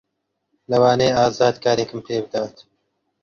لەوانەیە ئازاد کارێکم پێ بدات.